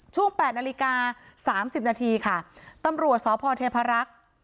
ช่วง๘นาฬิกา๓๐นาทีค่ะตำรวจศพเทพรักษ์